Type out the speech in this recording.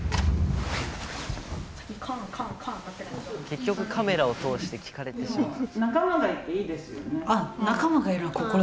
結局カメラを通して聞かれてしまう。